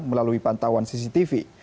melalui pantauan cctv